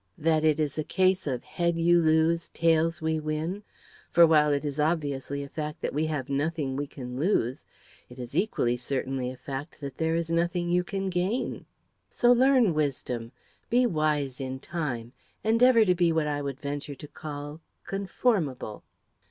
That it is a case of head you lose, tails we win for, while it is obviously a fact that we have nothing we can lose, it is equally certainly a fact that there is nothing you can gain? So learn wisdom; be wise in time; endeavour to be what I would venture to call conformable.